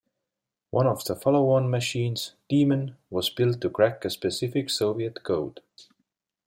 One of the follow-on machines, Demon, was built to crack a specific Soviet code.